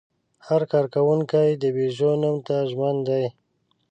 هر کارکوونکی د پيژو نوم ته ژمن دی.